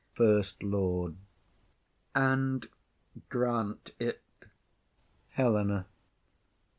FIRST LORD. And grant it. HELENA.